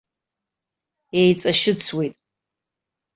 Еиҵашьыцуеит.